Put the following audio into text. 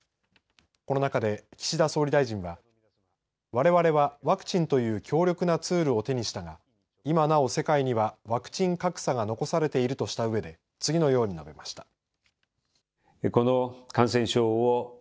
この中で岸田総理大臣はわれわれはワクチンという強力なツールを手にしたが今なお世界にはワクチン格差が残されているとしたうえで次のように述べました。